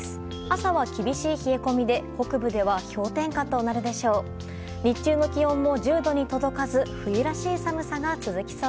朝は厳しい冷え込みで北部では氷点下となるでしょう。